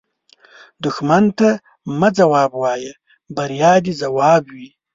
دښمن ته مه ځواب وایه، بریا دې ځواب وي